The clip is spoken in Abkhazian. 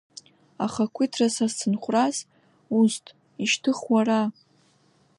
Ахақәиҭра са сцынхәрас, усҭ, ишьҭых уара!